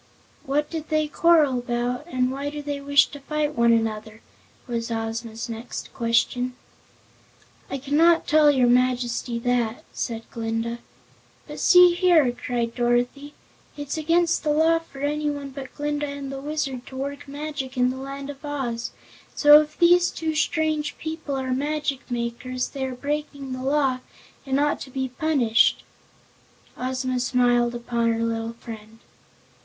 "What did they quarrel about, and why do they wish to fight one another?" was Ozma's next question. "I cannot tell your Majesty that," said Glinda. "But see here!" cried Dorothy, "it's against the law for anyone but Glinda and the Wizard to work magic in the Land of Oz, so if these two strange people are magic makers they are breaking the law and ought to be punished!" Ozma smiled upon her little friend.